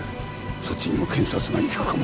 そっちにも検察が行くかも。